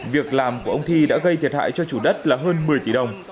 việc làm của ông thi đã gây thiệt hại cho chủ đất là hơn một mươi tỷ đồng